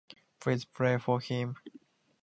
Please pray for him.